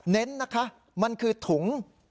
เน้นนะคะมันคือถุง